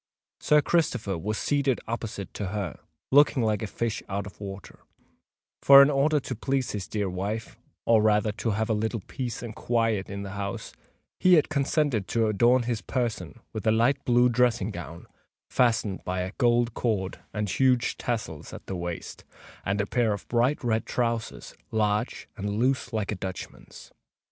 Sir Christopher was seated opposite to her, looking like a fish out of water; for, in order to please his dear wife—or rather, to have a little peace and quiet in the house—he had consented to adorn his person with a light blue dressing gown, fastened by a gold cord and huge tassels at the waist, and a pair of bright red trowsers, large and loose like a Dutchman's.